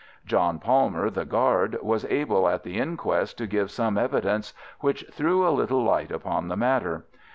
John Palmer, the guard, was able at the inquest to give some evidence which threw a little light upon the matter.